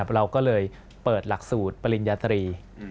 เราก็เลยเปิดหลักสูตรปริญญาตรี